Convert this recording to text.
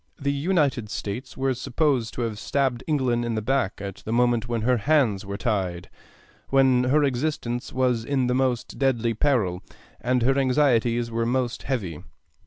The United States were supposed to have stabbed England in the back at the moment when her hands were tied, when her existence was in the most deadly peril and her anxieties were most heavy.